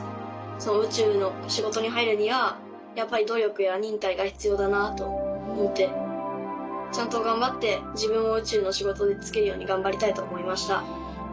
宇宙の仕事に入るにはやっぱり努力や忍耐が必要だなと思ってちゃんと頑張って自分も宇宙の仕事に就けるように頑張りたいと思いました。